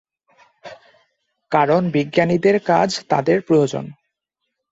কারণ বিজ্ঞানীদের কাজ তাদের প্রয়োজন।